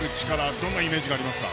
どんなイメージがありますか？